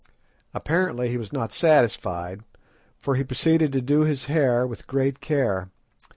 Apparently he was not satisfied, for he proceeded to do his hair with great care.